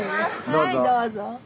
はいどうぞ。